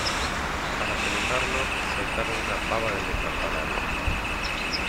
Para celebrarlo, soltaron una pava desde el campanario.